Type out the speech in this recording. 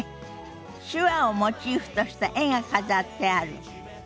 手話をモチーフとした絵が飾ってある。